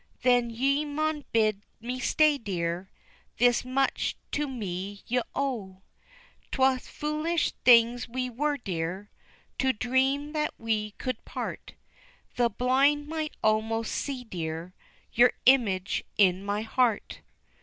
Then ye maun bid me stay, dear, This much to me ye owe. Twa foolish things were we, dear, To dream that we could part, The blind might almost see, dear, Your image in my heart.